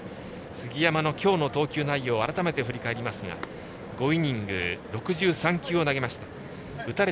杉山の今日の投球内容を改めて振り返りますが５イニング、６３球を投げました。